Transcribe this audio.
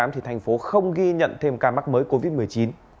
thành phố không ghi nhận thêm ca mắc mới covid một mươi chín